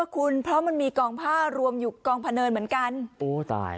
คุณเพราะมันมีกองผ้ารวมอยู่กองพะเนินเหมือนกันโอ้ตาย